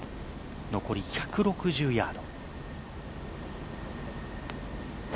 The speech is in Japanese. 残り１６０ヤード。